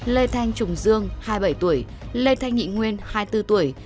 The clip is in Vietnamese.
lê thanh trùng dương hai mươi bảy tuổi lê thanh nghị nguyên hai mươi bốn tuổi